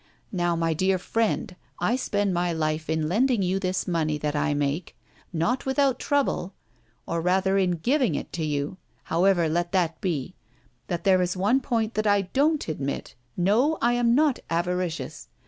Now, my friend, I spend my life in lending you this money that I make not without trouble or rather in giving it to you. However, let that be! But there is one point that I don't admit! No, I am not avaricious.